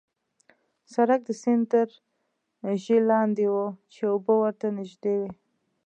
سړک د سیند تر ژۍ لاندې وو، چې اوبه ورته نژدې وې.